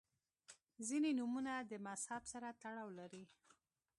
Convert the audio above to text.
• ځینې نومونه د مذهب سره تړاو لري.